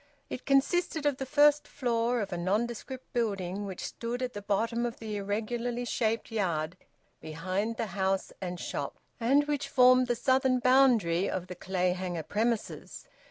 It consisted of the first floor of a nondescript building which stood at the bottom of the irregularly shaped yard behind the house and shop, and which formed the southern boundary of the Clayhanger premises.